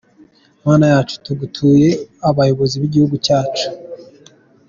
Mana yacu tugutuye abayobozi b’igihugu cyacu.